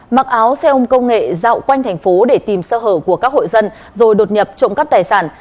mặc áo xe ôm công nghệ dạo quanh thành phố để tìm sơ hở của các hội dân rồi đột nhập trộm cắp tài sản